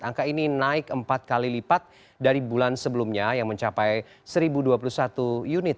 angka ini naik empat kali lipat dari bulan sebelumnya yang mencapai satu dua puluh satu unit